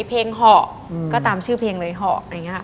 เพลงเหาะก็ตามชื่อเพลงเลยเหาะ